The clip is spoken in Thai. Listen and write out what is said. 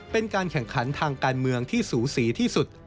เป็นการแข่งขันทางการเมืองที่สูสีที่สุด